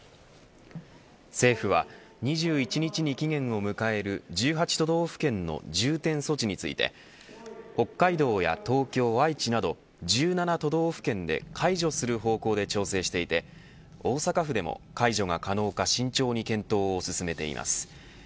政府は２１日に期限を迎える１８都道府県の重点措置について北海道や東京、愛知など１７都道府県で解除する方向で調整していて大阪府でも解除が可能か慎重に検討を進めています。